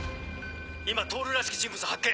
今透らしき人物を発見。